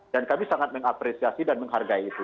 dan kami sangat mengapresiasi dan menghargai itu